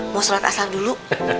mau sholat asal dulu